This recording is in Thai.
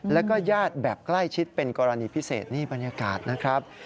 แล้วก็ญาติแบบใกล้ชิดเป็นกรณีพิเศษนี่บรรยากาศนะครับ